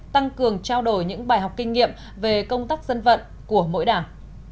tăng cường trao đổi những bài học kinh nghiệm về công tác dân vận của mỗi đảng